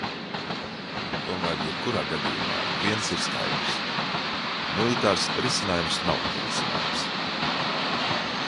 Tomēr jebkurā gadījumā viens ir skaidrs: militārs risinājums nav risinājums.